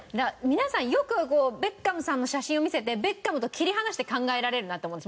皆さんよくベッカムさんの写真を見せてベッカムと切り離して考えられるなと思うんです。